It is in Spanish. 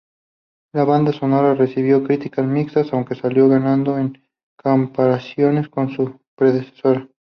La banda sonora recibió críticas mixtas, aunque salió ganando en comparaciones con su predecesora.